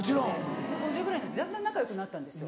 ５０ぐらいになってだんだん仲よくなったんですよ。